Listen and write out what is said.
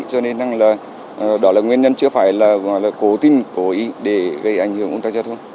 cho nên là đó là nguyên nhân chứa phải là gọi là cố tình cố ý để gây ảnh hưởng ứng tác giao thông